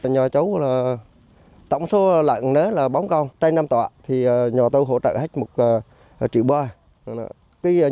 nhờ châu là tổng số lợn đó là bóng con trái năm tọa thì nhờ tôi hỗ trợ hết một triệu boy